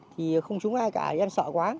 thì không trúng ai cả em sợ quá